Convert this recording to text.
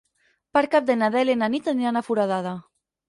Per Cap d'Any na Dèlia i na Nit aniran a Foradada.